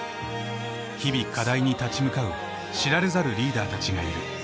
日々課題に立ち向かう知られざるリーダーたちがいる。